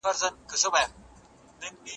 هغوی باید د خپلو نوکانو په اخیستلو کې پام وکړي.